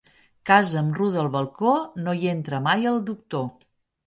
Casa amb ruda al balcó, no hi entra mai el doctor.